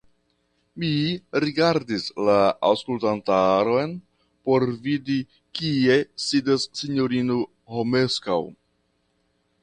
Mi rigardis la aŭskultantaron por vidi, kie sidas sinjorino Romeskaŭ.